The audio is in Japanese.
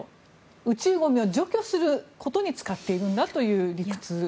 宇宙ゴミを除去することに使っているんだという理屈で。